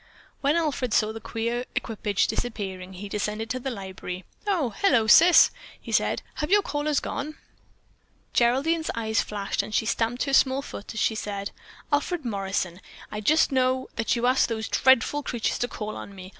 When Alfred saw the queer equipage disappearing, he descended to the library. "Oh, hello, Sis," he said, "Have your callers gone?" Geraldine's eyes flashed and she stamped her small foot as she said: "Alfred Morrison, I just know that you asked those dreadful creatures to call on me.